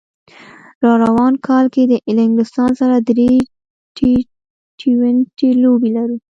راروان کال کې له انګلستان سره درې ټي ټوینټي لوبې لرو